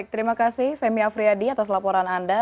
terima kasih femi afriyadi atas laporan anda